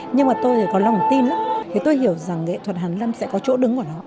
nhưng mà tôi có lòng tin tôi hiểu rằng nghệ thuật hàn lâm sẽ có chỗ đứng của nó